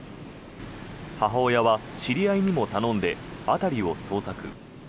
母親は知り合いにも頼んで辺りを捜索。